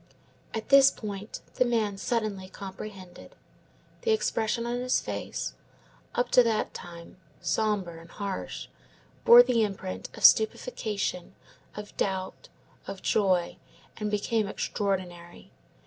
At this point the man suddenly comprehended. The expression of his face, up to that time sombre and harsh, bore the imprint of stupefaction, of doubt, of joy, and became extraordinary.